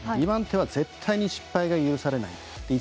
２番手は絶対に失敗が許されない。